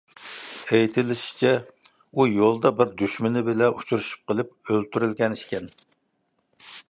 ئېيتىلىشىچە، ئۇ يولدا بىر دۈشمىنى بىلەن ئۇچرىشىپ قېلىپ ئۆلتۈرۈلگەن ئىكەن.